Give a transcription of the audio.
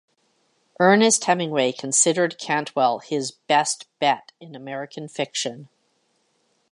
Ernest Hemingway considered Cantwell "his best bet" in American fiction.